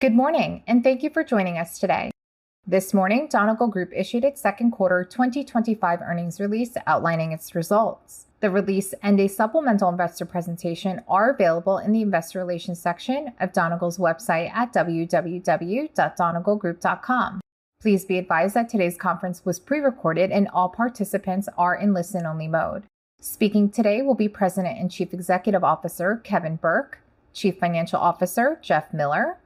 Good morning and thank you for joining us today. This morning, Donegal Group issued its second quarter 2025 earnings release outlining its results. The release and a supplemental investor presentation are available in the Investor Relations section of Donegal's website at www.donegalgroup.com. Please be advised that today's conference was pre-recorded and all participants are in listen-only mode. Speaking today will be President and Chief Executive Officer, Kevin Burke, Chief Financial Officer, Jeff Miller,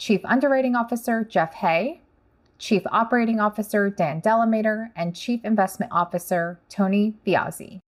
Chief Underwriting Officer, Jeff Hay, Chief Operating Officer, Dan DeLamater, and Chief Information Officer, Tony Viozzi.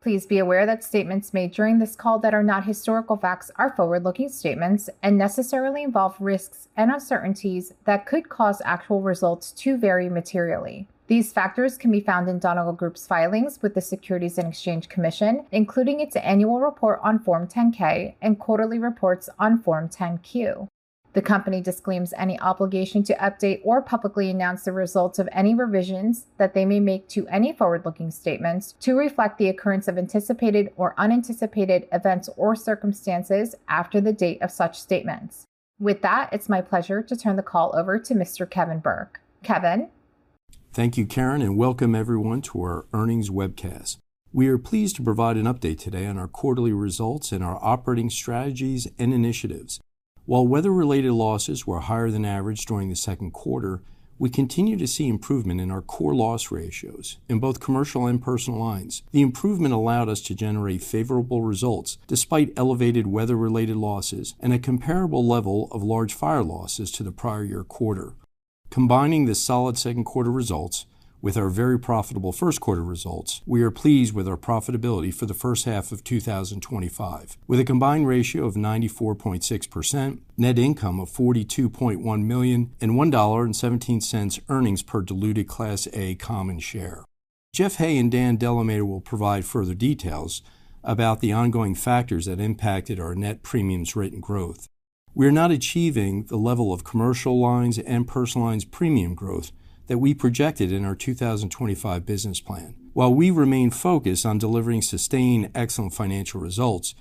Please be aware that statements made during this call that are not historical facts are forward-looking statements and necessarily involve risks and uncertainties that could cause actual results to vary materially. These factors can be found in Donegal Group's filings with the U.S. Securities and Exchange Commission, including its annual report on Form 10-K and quarterly reports on Form 10-Q. The company disclaims any obligation to update or publicly announce the results of any revisions that they may make to any forward-looking statements to reflect the occurrence of anticipated or unanticipated events or circumstances after the date of such statements. With that, it's my pleasure to turn the call over to Mr. Kevin Burke. Kevin? Thank you, Karen, and welcome everyone to our earnings webcast. We are pleased to provide an update today on our quarterly results and our operating strategies and initiatives. While weather-related losses were higher than average during the second quarter, we continue to see improvement in our core loss ratios in both commercial and personal lines. The improvement allowed us to generate favorable results despite elevated weather-related losses and a comparable level of large fire losses to the prior year quarter. Combining the solid second quarter results with our very profitable first quarter results, we are pleased with our profitability for the first half of 2025, with a combined ratio of 94.6%, net income of $42.1 million, and $1.17 earnings per diluted Class A common share. Jeff Hay and Dan DeLamater will provide further details about the ongoing factors that impacted our net premiums rate and growth. We are not achieving the level of commercial lines and personal lines premium growth that we projected in our 2025 business plan. While we remain focused on delivering sustained, excellent financial results,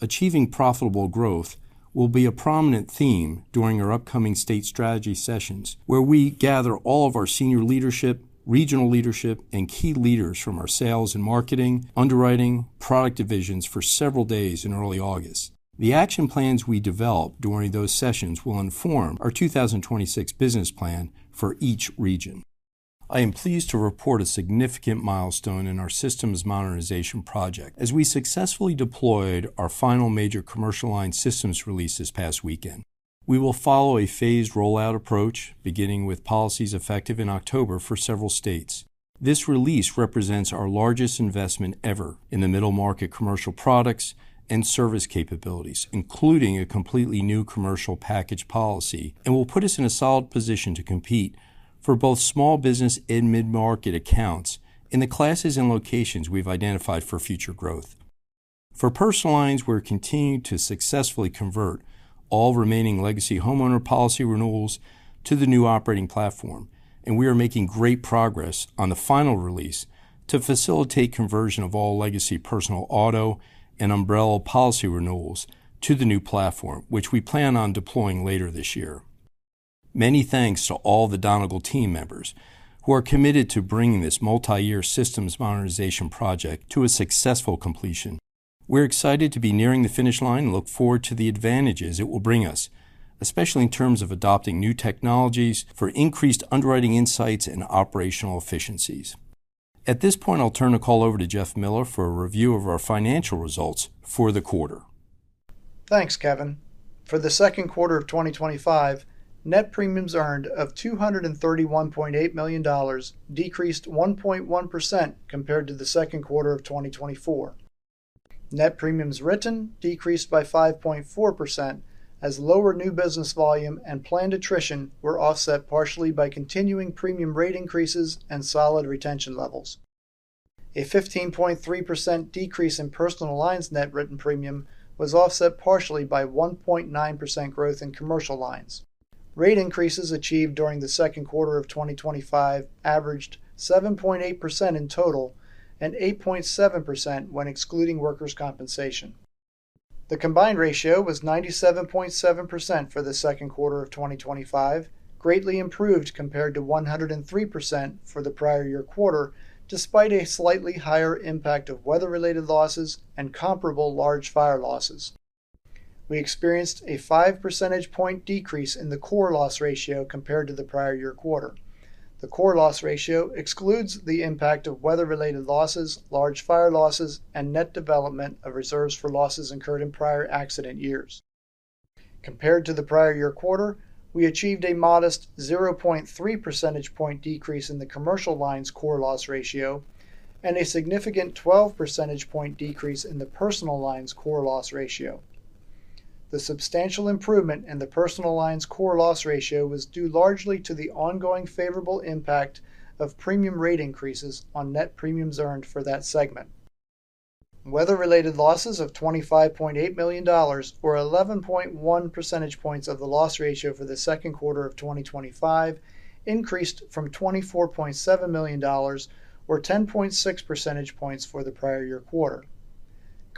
achieving profitable growth will be a prominent theme during our upcoming state strategy sessions, where we gather all of our senior leadership, regional leadership, and key leaders from our sales and marketing, underwriting, and product divisions for several days in early August. The action plans we develop during those sessions will inform our 2026 business plan for each region. I am pleased to report a significant milestone in our systems modernization project, as we successfully deployed our final major commercial lines systems release this past weekend. We will follow a phased rollout approach, beginning with policies effective in October for several states. This release represents our largest investment ever in the middle market commercial products and service capabilities, including a completely new commercial package policy, and will put us in a solid position to compete for both small business and mid-market accounts in the classes and locations we've identified for future growth. For personal lines, we're continuing to successfully convert all remaining legacy homeowners insurance policy renewals to the new operating platform, and we are making great progress on the final release to facilitate conversion of all legacy personal auto and umbrella policy renewals to the new platform, which we plan on deploying later this year. Many thanks to all the Donegal team members who are committed to bringing this multi-year systems modernization project to a successful completion. We're excited to be nearing the finish line and look forward to the advantages it will bring us, especially in terms of adopting new technologies for increased underwriting insights and operational efficiencies. At this point, I'll turn the call over to Jeff Miller for a review of our financial results for the quarter. Thanks, Kevin. For the second quarter of 2025, net premiums earned of $231.8 million decreased 1.1% compared to the second quarter of 2024. Net premiums written decreased by 5.4% as lower new business volume and planned attrition were offset partially by continuing premium rate increases and solid retention levels. A 15.3% decrease in personal lines net written premium was offset partially by 1.9% growth in commercial lines. Rate increases achieved during the second quarter of 2025 averaged 7.8% in total and 8.7% when excluding workers’ compensation. The combined ratio was 97.7% for the second quarter of 2025, greatly improved compared to 103% for the prior year quarter, despite a slightly higher impact of weather-related losses and comparable large fire losses. We experienced a 5 percentage point decrease in the core loss ratio compared to the prior year quarter. The core loss ratio excludes the impact of weather-related losses, large fire losses, and net development of reserves for losses incurred in prior accident years. Compared to the prior year quarter, we achieved a modest 0.3 percentage point decrease in the commercial lines core loss ratio and a significant 12 percentage point decrease in the personal lines core loss ratio. The substantial improvement in the personal lines core loss ratio was due largely to the ongoing favorable impact of premium rate increases on net premiums earned for that segment. Weather-related losses of $25.8 million, or 11.1% of the loss ratio for the second quarter of 2025, increased from $24.7 million, or 10.6% for the prior year quarter.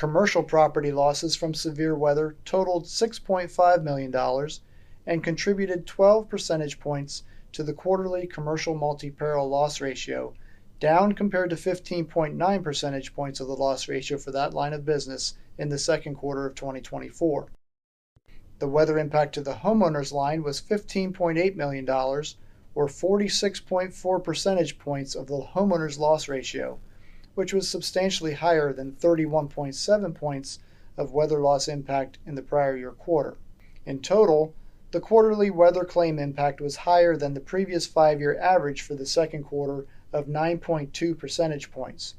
Commercial property losses from severe weather totaled $6.5 million and contributed 12% to the quarterly commercial multi-peril loss ratio, down compared to 15.9% of the loss ratio for that line of business in the second quarter of 2024. The weather impact to the homeowners line was $15.8 million, or 46.4% of the homeowners loss ratio, which was substantially higher than 31.7% of weather loss impact in the prior year quarter. In total, the quarterly weather claim impact was higher than the previous five-year average for the second quarter of 9.2%.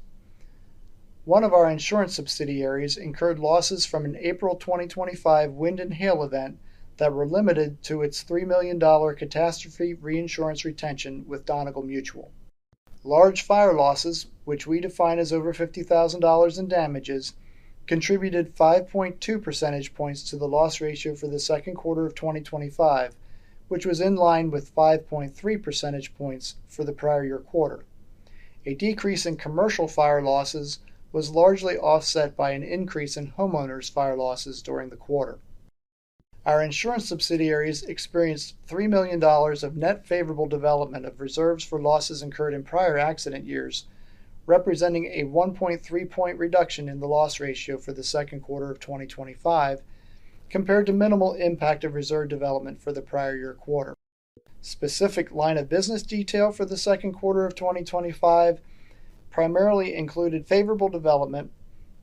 One of our insurance subsidiaries incurred losses from an April 2025 wind and hail event that were limited to its $3 million catastrophe reinsurance retention with Donegal Mutual. Large fire losses, which we define as over $50,000 in damages, contributed 5.2% to the loss ratio for the second quarter of 2025, which was in line with 5.3% for the prior year quarter. A decrease in commercial fire losses was largely offset by an increase in homeowners fire losses during the quarter. Our insurance subsidiaries experienced $3 million of net favorable development of reserves for losses incurred in prior accident years, representing a 1.3% reduction in the loss ratio for the second quarter of 2025, compared to minimal impact of reserve development for the prior year quarter. Specific line of business detail for the second quarter of 2025 primarily included favorable development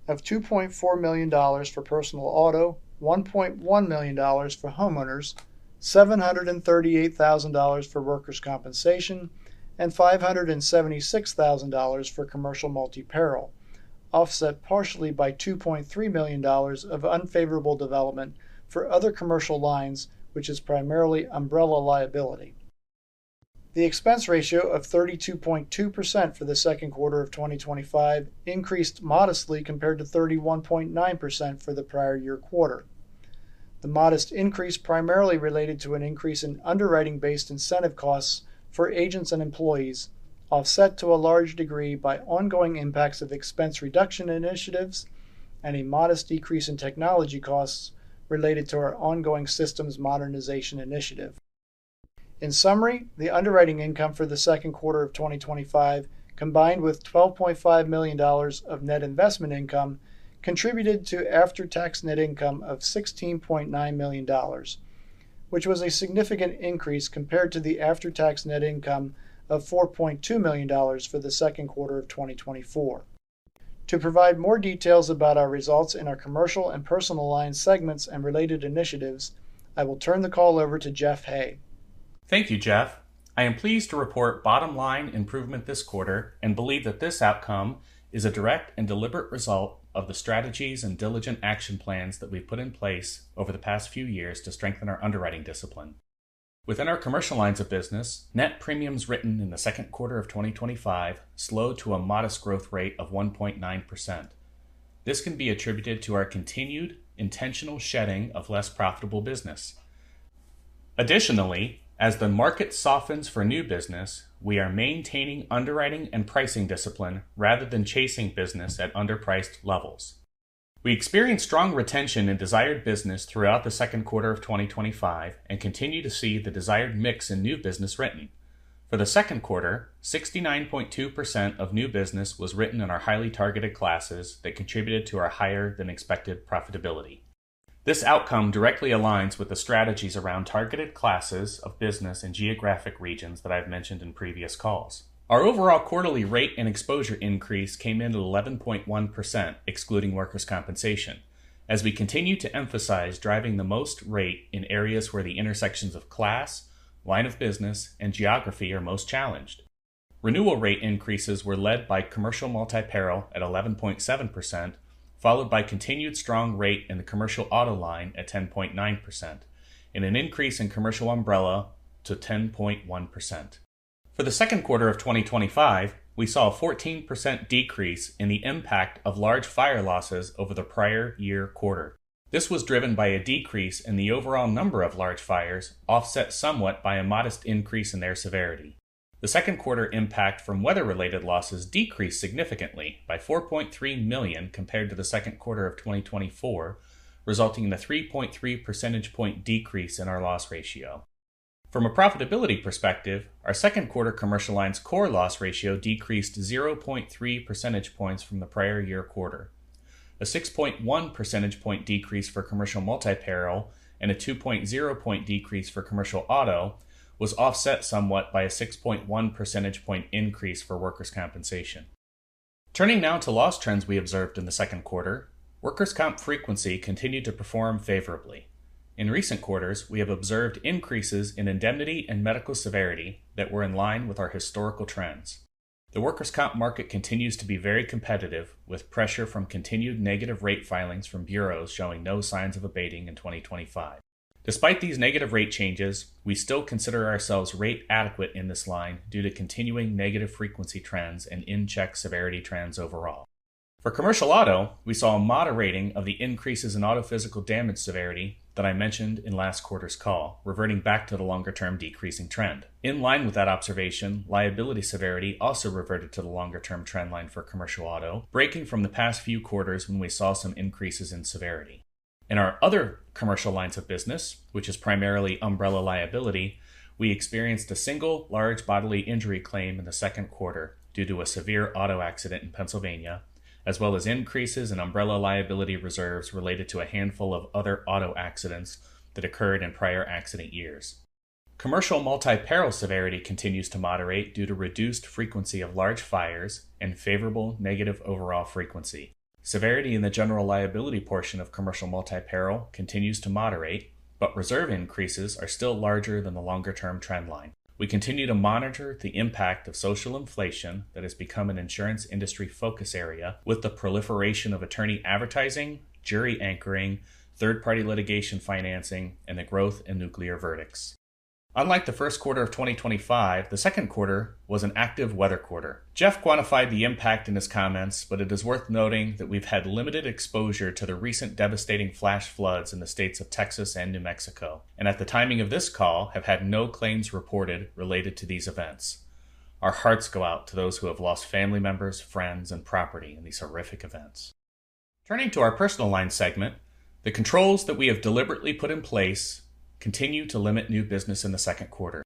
of $2.4 million for personal auto, $1.1 million for homeowners, $738,000 for workers' compensation, and $576,000 for commercial multi-peril, offset partially by $2.3 million of unfavorable development for other commercial lines, which is primarily umbrella liability. The expense ratio of 32.2% for the second quarter of 2025 increased modestly compared to 31.9% for the prior year quarter. The modest increase primarily related to an increase in underwriting-based incentive costs for agents and employees, offset to a large degree by ongoing impacts of expense reduction initiatives and a modest decrease in technology costs related to our ongoing systems modernization initiative. In summary, the underwriting income for the second quarter of 2025, combined with $12.5 million of net investment income, contributed to after-tax net income of $16.9 million, which was a significant increase compared to the after-tax net income of $4.2 million for the second quarter of 2024. To provide more details about our results in our commercial and personal line segments and related initiatives, I will turn the call over to Jeff Hay. Thank you, Jeff. I am pleased to report bottom-line improvement this quarter and believe that this outcome is a direct and deliberate result of the strategies and diligent action plans that we've put in place over the past few years to strengthen our underwriting discipline. Within our commercial lines of business, net premiums written in the second quarter of 2025 slowed to a modest growth rate of 1.9%. This can be attributed to our continued intentional shedding of less profitable business. Additionally, as the market softens for new business, we are maintaining underwriting and pricing discipline rather than chasing business at underpriced levels. We experienced strong retention in desired business throughout the second quarter of 2025 and continue to see the desired mix in new business written. For the second quarter, 69.2% of new business was written in our highly targeted classes that contributed to our higher-than-expected profitability. This outcome directly aligns with the strategies around targeted classes of business in geographic regions that I've mentioned in previous calls. Our overall quarterly rate and exposure increase came in at 11.1%, excluding workers' compensation, as we continue to emphasize driving the most rate in areas where the intersections of class, line of business, and geography are most challenged. Renewal rate increases were led by commercial multi-peril at 11.7%, followed by continued strong rate in the commercial auto line at 10.9%, and an increase in commercial umbrella to 10.1%. For the second quarter of 2025, we saw a 14% decrease in the impact of large fire losses over the prior year quarter. This was driven by a decrease in the overall number of large fires, offset somewhat by a modest increase in their severity. The second quarter impact from weather-related losses decreased significantly by $4.3 million compared to the second quarter of 2024, resulting in a 3.3 percentage point decrease in our loss ratio. From a profitability perspective, our second quarter commercial lines core loss ratio decreased 0.3 percentage points from the prior year quarter. A 6.1 percentage point decrease for commercial multi-peril and a 2.0 point decrease for commercial auto was offset somewhat by a 6.1 percentage point increase for workers' compensation. Turning now to loss trends we observed in the second quarter, workers' comp frequency continued to perform favorably. In recent quarters, we have observed increases in indemnity and medical severity that were in line with our historical trends. The workers' compensation market continues to be very competitive, with pressure from continued negative rate filings from bureaus showing no signs of abating in 2025. Despite these negative rate changes, we still consider ourselves rate adequate in this line due to continuing negative frequency trends and in-check severity trends overall. For commercial auto, we saw a moderating of the increases in auto physical damage severity that I mentioned in last quarter's call, reverting back to the longer-term decreasing trend. In line with that observation, liability severity also reverted to the longer-term trend line for commercial auto, breaking from the past few quarters when we saw some increases in severity. In our other commercial lines of business, which is primarily commercial umbrella insurance, we experienced a single large bodily injury claim in the second quarter due to a severe auto accident in Pennsylvania, as well as increases in umbrella liability reserves related to a handful of other auto accidents that occurred in prior accident years. Commercial multi-peril severity continues to moderate due to reduced frequency of large fires and favorable negative overall frequency. Severity in the general liability portion of commercial multi-peril continues to moderate, but reserve increases are still larger than the longer-term trend line. We continue to monitor the impact of social inflation that has become an insurance industry focus area with the proliferation of attorney advertising, jury anchoring, third-party litigation financing, and the growth in nuclear verdicts. Unlike the first quarter of 2025, the second quarter was an active weather quarter. Jeff quantified the impact in his comments, but it is worth noting that we've had limited exposure to the recent devastating flash floods in the states of Texas and New Mexico, and at the timing of this call, have had no claims reported related to these events. Our hearts go out to those who have lost family members, friends, and property in these horrific events. Turning to our personal lines segment, the controls that we have deliberately put in place continue to limit new business in the second quarter.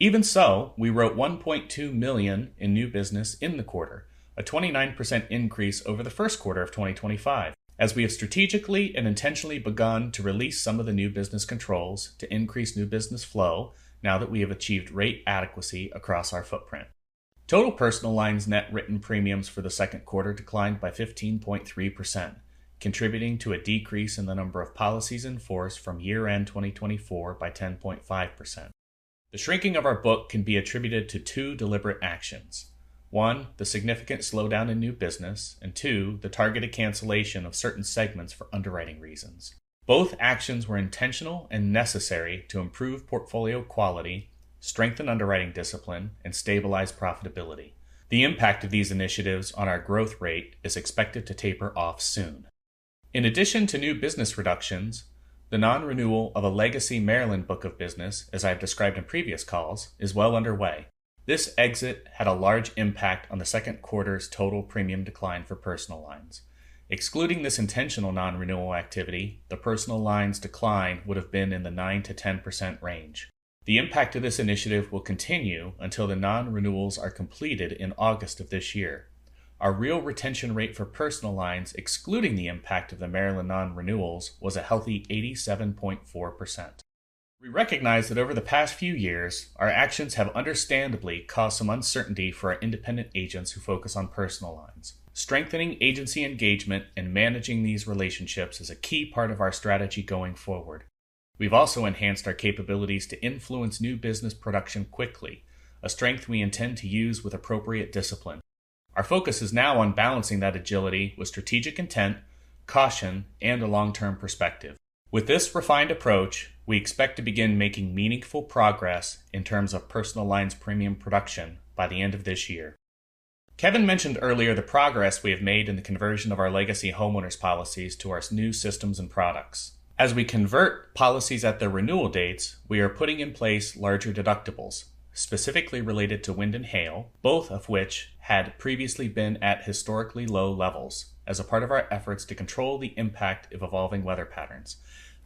Even so, we wrote $1.2 million in new business in the quarter, a 29% increase over the first quarter of 2025, as we have strategically and intentionally begun to release some of the new business controls to increase new business flow now that we have achieved rate adequacy across our footprint. Total personal lines net written premiums for the second quarter declined by 15.3%, contributing to a decrease in the number of policies in force from year-end 2024 by 10.5%. The shrinking of our book can be attributed to two deliberate actions: one, the significant slowdown in new business, and two, the targeted cancellation of certain segments for underwriting reasons. Both actions were intentional and necessary to improve portfolio quality, strengthen underwriting discipline, and stabilize profitability. The impact of these initiatives on our growth rate is expected to taper off soon. In addition to new business reductions, the non-renewal of a legacy Maryland book of business, as I have described in previous calls, is well underway. This exit had a large impact on the second quarter's total premium decline for personal lines. Excluding this intentional non-renewal activity, the personal lines decline would have been in the 9%-10% range. The impact of this initiative will continue until the non-renewals are completed in August of this year. Our real retention rate for personal lines, excluding the impact of the Maryland non-renewals, was a healthy 87.4%. We recognize that over the past few years, our actions have understandably caused some uncertainty for our independent agents who focus on personal lines. Strengthening agency engagement and managing these relationships is a key part of our strategy going forward. We've also enhanced our capabilities to influence new business production quickly, a strength we intend to use with appropriate discipline. Our focus is now on balancing that agility with strategic intent, caution, and a long-term perspective. With this refined approach, we expect to begin making meaningful progress in terms of personal lines premium production by the end of this year. Kevin G. Burke mentioned earlier the progress we have made in the conversion of our legacy homeowners insurance policies to our new systems and products. As we convert policies at their renewal dates, we are putting in place larger deductibles, specifically related to wind and hail, both of which had previously been at historically low levels as a part of our efforts to control the impact of evolving weather patterns.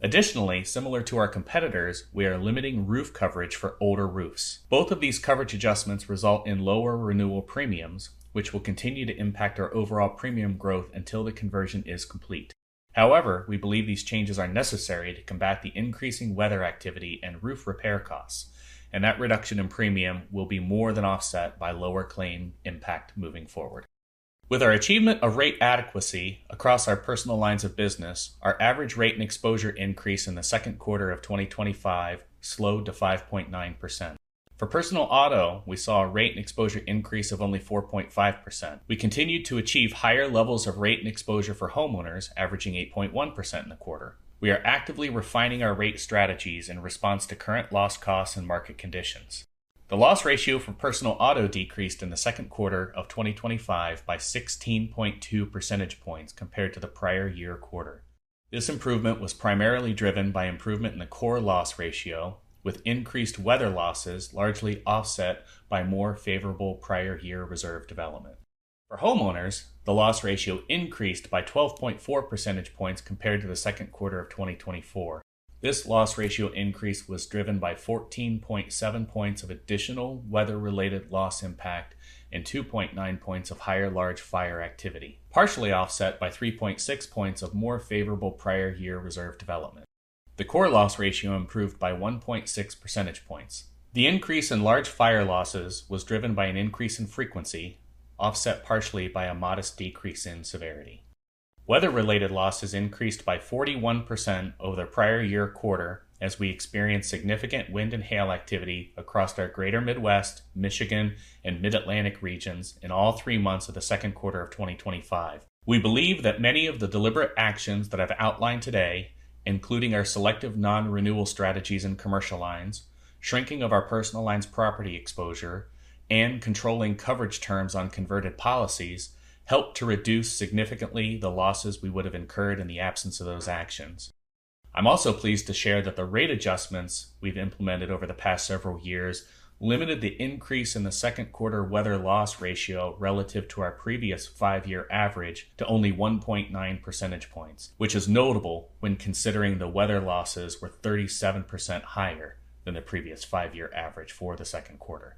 Additionally, similar to our competitors, we are limiting roof coverage for older roofs. Both of these coverage adjustments result in lower renewal premiums, which will continue to impact our overall premium growth until the conversion is complete. However, we believe these changes are necessary to combat the increasing weather activity and roof repair costs, and that reduction in premium will be more than offset by lower claim impact moving forward. With our achievement of rate adequacy across our personal lines of business, our average rate and exposure increase in the second quarter of 2025 slowed to 5.9%. For personal auto, we saw a rate and exposure increase of only 4.5%. We continued to achieve higher levels of rate and exposure for homeowners, averaging 8.1% in the quarter. We are actively refining our rate strategies in response to current loss costs and market conditions. The loss ratio for personal auto decreased in the second quarter of 2025 by 16.2 percentage points compared to the prior year quarter. This improvement was primarily driven by improvement in the core loss ratio, with increased weather losses largely offset by more favorable prior year reserve development. For homeowners, the loss ratio increased by 12.4 percentage points compared to the second quarter of 2024. This loss ratio increase was driven by 14.7 points of additional weather-related loss impact and 2.9 points of higher large fire activity, partially offset by 3.6 points of more favorable prior year reserve development. The core loss ratio improved by 1.6 percentage points. The increase in large fire losses was driven by an increase in frequency, offset partially by a modest decrease in severity. Weather-related losses increased by 41% over the prior year quarter, as we experienced significant wind and hail activity across our Greater Midwest, Michigan, and Mid-Atlantic regions in all three months of the second quarter of 2025. We believe that many of the deliberate actions that I've outlined today, including our selective non-renewal strategies in commercial lines, shrinking of our personal lines property exposure, and controlling coverage terms on converted policies, helped to reduce significantly the losses we would have incurred in the absence of those actions. I'm also pleased to share that the rate adjustments we've implemented over the past several years limited the increase in the second quarter weather loss ratio relative to our previous five-year average to only 1.9 percentage points, which is notable when considering the weather losses were 37% higher than the previous five-year average for the second quarter.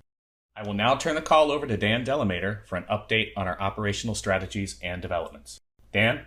I will now turn the call over to Dan DeLamater for an update on our operational strategies and developments. Dan.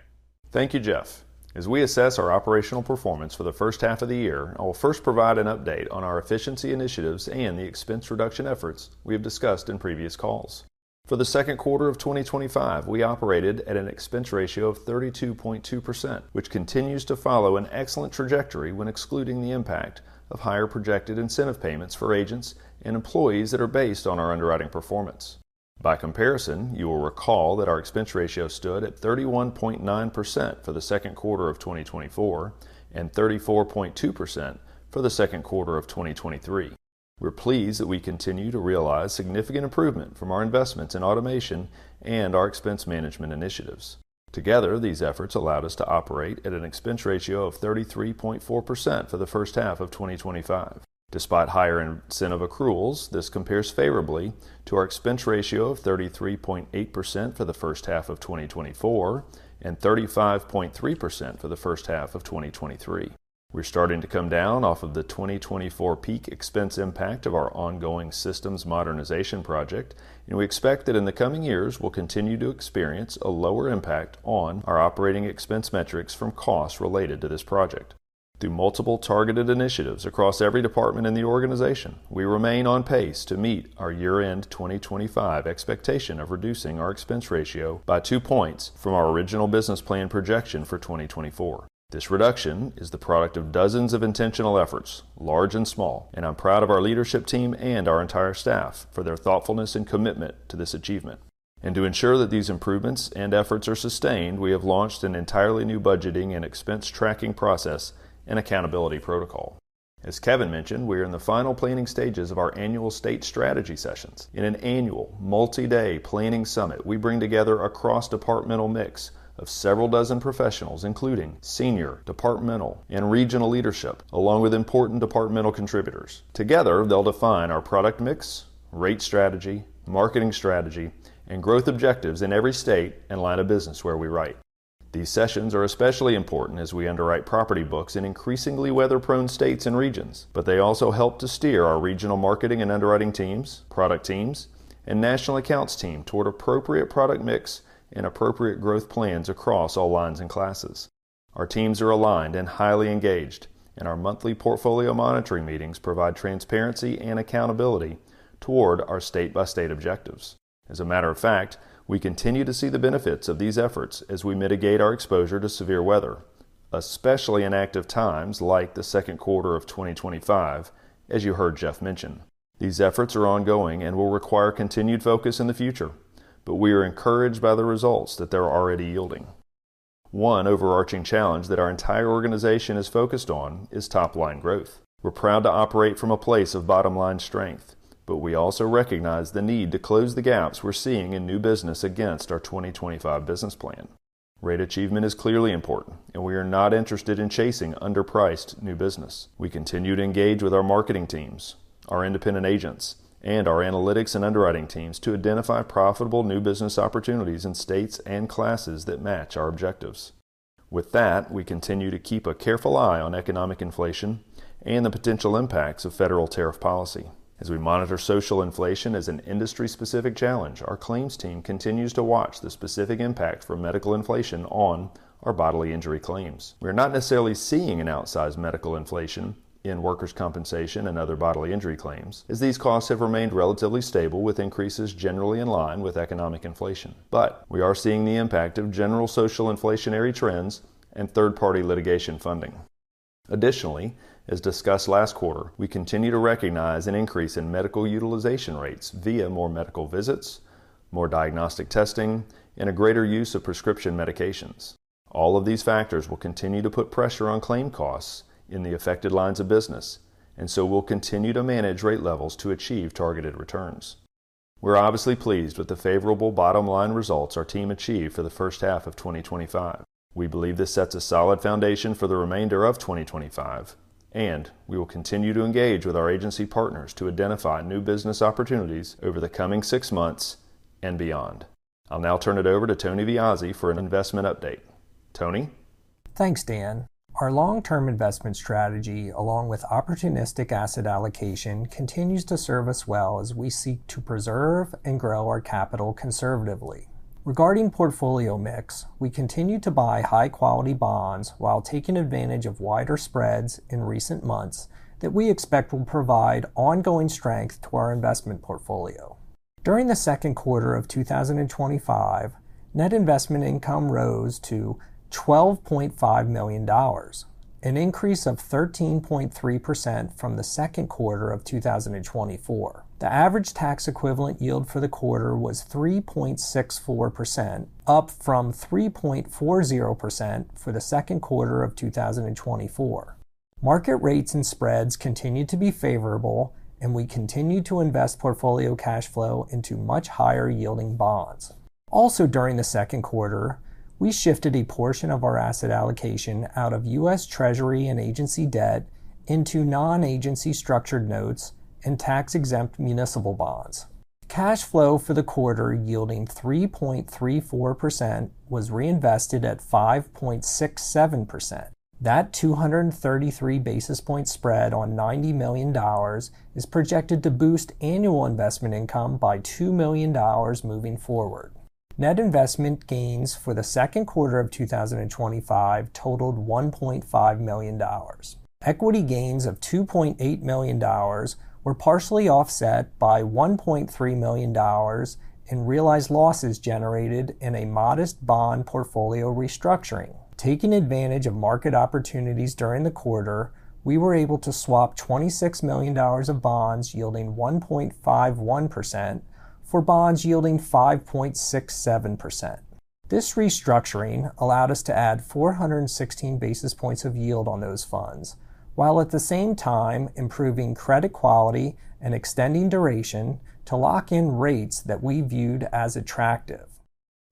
Thank you, Jeff. As we assess our operational performance for the first half of the year, I will first provide an update on our efficiency initiatives and the expense reduction efforts we have discussed in previous calls. For the second quarter of 2025, we operated at an expense ratio of 32.2%, which continues to follow an excellent trajectory when excluding the impact of higher projected incentive payments for agents and employees that are based on our underwriting performance. By comparison, you will recall that our expense ratio stood at 31.9% for the second quarter of 2024 and 34.2% for the second quarter of 2023. We're pleased that we continue to realize significant improvement from our investments in automation and our expense management initiatives. Together, these efforts allowed us to operate at an expense ratio of 33.4% for the first half of 2025. Despite higher incentive accruals, this compares favorably to our expense ratio of 33.8% for the first half of 2024 and 35.3% for the first half of 2023. We're starting to come down off of the 2024 peak expense impact of our ongoing systems modernization project, and we expect that in the coming years, we'll continue to experience a lower impact on our operating expense metrics from costs related to this project. Through multiple targeted initiatives across every department in the organization, we remain on pace to meet our year-end 2025 expectation of reducing our expense ratio by two points from our original business plan projection for 2024. This reduction is the product of dozens of intentional efforts, large and small, and I'm proud of our leadership team and our entire staff for their thoughtfulness and commitment to this achievement. To ensure that these improvements and efforts are sustained, we have launched an entirely new budgeting and expense tracking process and accountability protocol. As Kevin mentioned, we are in the final planning stages of our annual state strategy sessions. In an annual multi-day planning summit, we bring together a cross-departmental mix of several dozen professionals, including senior departmental and regional leadership, along with important departmental contributors. Together, they'll define our product mix, rate strategy, marketing strategy, and growth objectives in every state and line of business where we write. These sessions are especially important as we underwrite property books in increasingly weather-prone states and regions, but they also help to steer our regional marketing and underwriting teams, product teams, and national accounts team toward appropriate product mix and appropriate growth plans across all lines and classes. Our teams are aligned and highly engaged, and our monthly portfolio monitoring meetings provide transparency and accountability toward our state-by-state objectives. As a matter of fact, we continue to see the benefits of these efforts as we mitigate our exposure to severe weather, especially in active times like the second quarter of 2025, as you heard Jeff mention. These efforts are ongoing and will require continued focus in the future, but we are encouraged by the results that they're already yielding. One overarching challenge that our entire organization is focused on is top-line growth. We're proud to operate from a place of bottom-line strength, but we also recognize the need to close the gaps we're seeing in new business against our 2025 business plan. Rate achievement is clearly important, and we are not interested in chasing underpriced new business. We continue to engage with our marketing teams, our independent agents, and our analytics and underwriting teams to identify profitable new business opportunities in states and classes that match our objectives. With that, we continue to keep a careful eye on economic inflation and the potential impacts of federal tariff policy. As we monitor social inflation as an industry-specific challenge, our claims team continues to watch the specific impact from medical inflation on our bodily injury claims. We are not necessarily seeing an outsized medical inflation in workers' compensation and other bodily injury claims, as these costs have remained relatively stable with increases generally in line with economic inflation. We are seeing the impact of general social inflationary trends and third-party litigation funding. Additionally, as discussed last quarter, we continue to recognize an increase in medical utilization rates via more medical visits, more diagnostic testing, and a greater use of prescription medications. All of these factors will continue to put pressure on claim costs in the affected lines of business, and we will continue to manage rate levels to achieve targeted returns. We're obviously pleased with the favorable bottom-line results our team achieved for the first half of 2025. We believe this sets a solid foundation for the remainder of 2025, and we will continue to engage with our agency partners to identify new business opportunities over the coming six months and beyond. I'll now turn it ov er to Tony Viozzi for an investment update. Tony. Thanks, Dan. Our long-term investment strategy, along with opportunistic asset allocation, continues to serve us well as we seek to preserve and grow our capital conservatively. Regarding portfolio mix, we continue to buy high-quality bonds while taking advantage of wider spreads in recent months that we expect will provide ongoing strength to our investment portfolio. During the second quarter of 2025, net investment income rose to $12.5 million, an increase of 13.3% from the second quarter of 2024. The average tax equivalent yield for the quarter was 3.64%, up from 3.40% for the second quarter of 2024. Market rates and spreads continue to be favorable, and we continue to invest portfolio cash flow into much higher yielding bonds. Also, during the second quarter, we shifted a portion of our asset allocation out of U.S. Treasury and agency debt into non-agency structured notes and tax-exempt municipal bonds. Cash flow for the quarter yielding 3.34% was reinvested at 5.67%. That 233 basis points spread on $90 million is projected to boost annual investment income by $2 million moving forward. Net investment gains for the second quarter of 2025 totaled $1.5 million. Equity gains of $2.8 million were partially offset by $1.3 million in realized losses generated in a modest bond portfolio restructuring. Taking advantage of market opportunities during the quarter, we were able to swap $26 million of bonds yielding 1.51% for bonds yielding 5.67%. This restructuring allowed us to add 416 basis points of yield on those funds, while at the same time improving credit quality and extending duration to lock in rates that we viewed as attractive.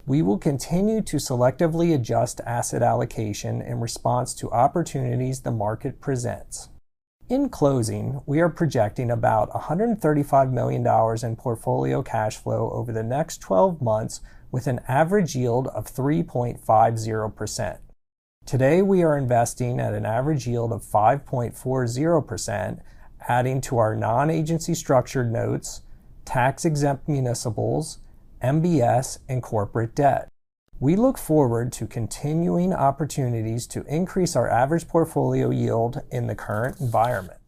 We will continue to selectively adjust asset allocation in response to opportunities the market presents. In closing, we are projecting about $135 million in portfolio cash flow over the next 12 months with an average yield of 3.50%. Today, we are investing at an average yield of 5.40%, adding to our non-agency structured notes, tax-exempt municipals, MBS, and corporate debt. We look forward to continuing opportunities to increase our average portfolio yield in the current environment.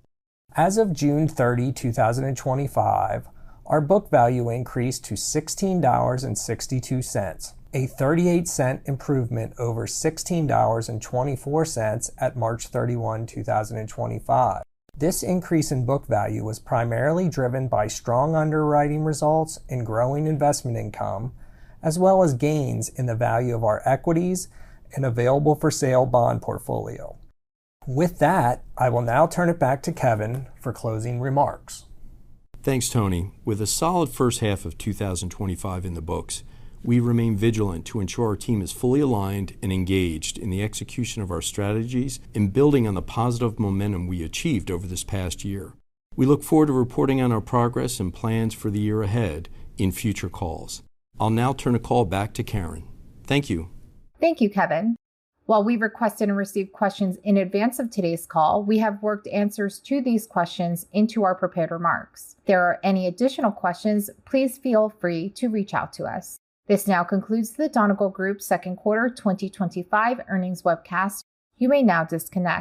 As of June 30, 2025, our book value increased to $16.62, a $0.38 improvement over $16.24 at March 31, 2025. This increase in book value was primarily driven by strong underwriting results and growing investment income, as well as gains in the value of our equities and available for sale bond portfolio. With that, I will now turn it back to Kevin for closing remarks. Thanks, Tony. With a solid first half of 2025 in the books, we remain vigilant to ensure our team is fully aligned and engaged in the execution of our strategies and building on the positive momentum we achieved over this past year. We look forward to reporting on our progress and plans for the year ahead in future calls. I'll now turn the call back to Karen. Thank you. Thank you, Kevin. While we requested and received questions in advance of today's call, we have worked answers to these questions into our prepared remarks. If there are any additional questions, please feel free to reach out to us. This now concludes the Donegal Group Second Quarter 2025 Earnings Webcast. You may now discontinue.